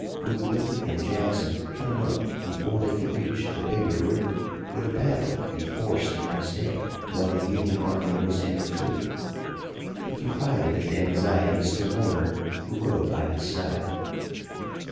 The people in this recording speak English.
Would Lee and Jackson come up before they could reach the bigger river? Would a battle be forced the next day while the Union army was in retreat? He confided his anxieties to Warner who rode by his side.